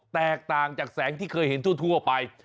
แตกต่างจากแสงที่เคยเห็นทั่วไป